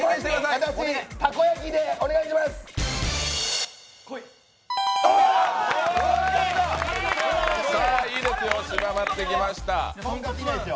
私、たこ焼でお願いします。